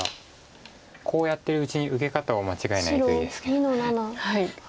コウやってるうちに受け方を間違えないといいですけど。